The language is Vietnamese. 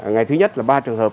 ngày thứ nhất là ba trường hợp